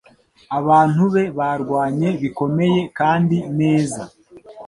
Abantu be barwanye bikomeye kandi neza